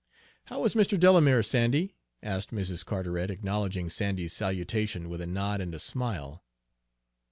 "How is Mr. Delamere, Sandy?" asked Mrs. Carteret, acknowledging Sandy's salutation with a nod and a smile.